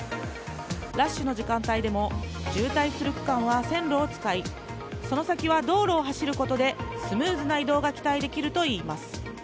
ラッシュの時間帯でも渋滞する区間は線路を使いその先は道路を走ることでスムーズな移動が期待できるといいます。